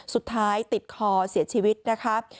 สุดท้ายติดคอเสียชีวิตนะคะ